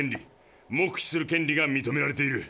黙秘する権利が認められている。